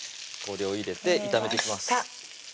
これを入れて炒めていきます